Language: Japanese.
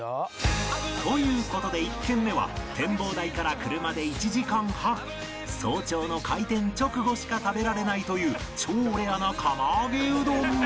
という事で１軒目は展望台から車で１時間半早朝の開店直後しか食べられないという超レアな釜揚げうどん